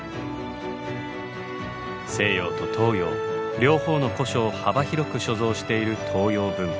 西洋と東洋両方の古書を幅広く所蔵している東洋文庫。